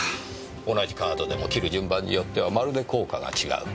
同じカードでも切る順番によってはまるで効果が違う。